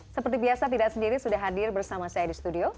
seperti biasa tidak sendiri sudah hadir bersama saya di studio